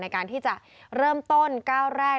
ในการที่จะเริ่มต้นก้าวแรก